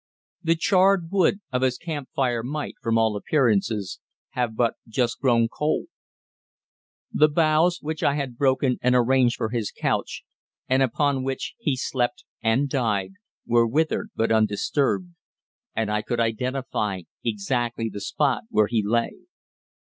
The charred wood of his camp fire might, from all appearances, have but just grown cold. The boughs, which I had broken and arranged for his couch, and upon which he slept and died, were withered but undisturbed, and I could identify exactly the spot where he lay.